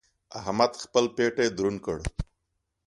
احمد خپل پېټی دروند کړ.